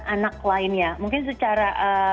anak lainnya mungkin secara